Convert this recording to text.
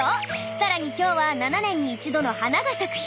さらに今日は７年に一度の花が咲く日。